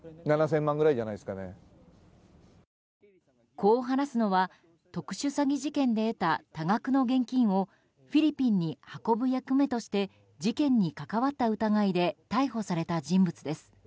こう話すのは特殊詐欺事件で得た多額の現金をフィリピンに運ぶ役目として事件に関わった疑いで逮捕された人物です。